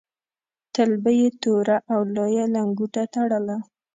تل به یې توره او لویه لنګوټه تړله.